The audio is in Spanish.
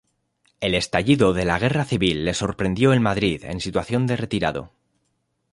El estallido de la Guerra Civil le sorprendió en Madrid en situación de retirado.